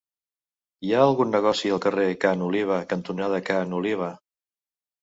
Hi ha algun negoci al carrer Ca n'Oliva cantonada Ca n'Oliva?